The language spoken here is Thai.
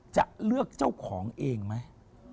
จะเลือกเจ้าของเองไหม